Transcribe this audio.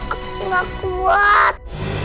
aku gak kuat